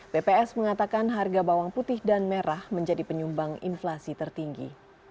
bps mengatakan harga bawang putih dan merah menjadi penyumbang inflasi tertinggi